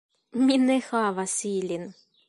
Mi ne havas ilin.